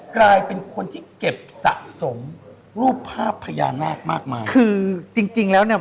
กลายเป็นคนที่เก็บสะสมรูปภาพพญานาคมากมายคือจริงจริงแล้วเนี่ย